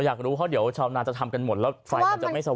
อยากรู้เพราะเดี๋ยวชาวนาจะทำกันหมดแล้วไฟมันจะไม่สว่า